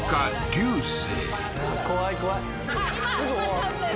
流星！